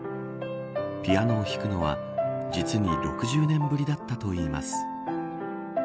ピアノをひくのは実に６０年ぶりだったといいます。